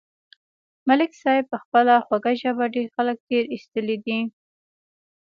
ملک صاحب په خپله خوږه ژبه ډېر خلک تېر ایستلي دي.